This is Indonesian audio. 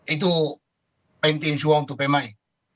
itu penting semua untuk pmai